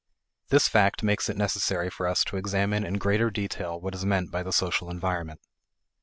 This fact makes it necessary for us to examine in greater detail what is meant by the social environment.